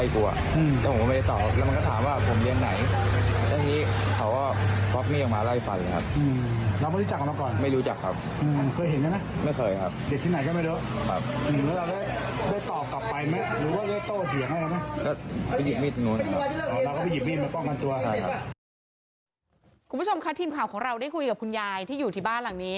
คุณผู้ชมค่ะทีมข่าวของเราได้คุยกับคุณยายที่อยู่ที่บ้านหลังนี้